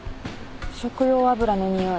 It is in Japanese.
食用油のにおい。